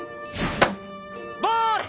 ボール。